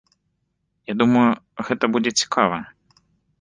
Я думаю, гэта будзе цікава.